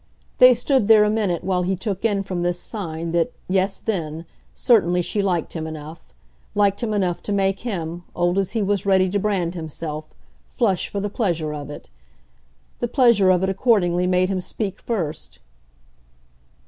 They stood there a minute while he took in from this sign that, yes then, certainly she liked him enough liked him enough to make him, old as he was ready to brand himself, flush for the pleasure of it. The pleasure of it accordingly made him speak first.